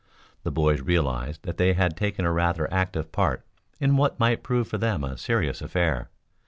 The boys realized that they had taken a rather active part in what might prove for them a serious affair.